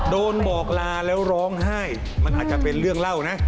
บอกลาแล้วร้องไห้มันอาจจะเป็นเรื่องเล่านะ